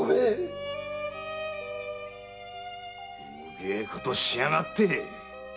ひでえことしやがって！